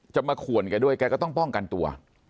มาขวนแกด้วยแกก็ต้องป้องกันตัว